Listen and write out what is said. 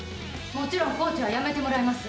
もちろんコーチは辞めてもらいます。